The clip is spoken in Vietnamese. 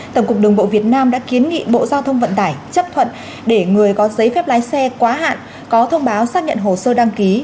tổng cục đường bộ việt nam đã kiến nghị bộ giao thông vận tải chấp thuận để người có giấy phép lái xe quá hạn có thông báo xác nhận hồ sơ đăng ký